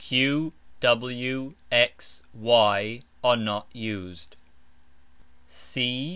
q, w, x, y are not used.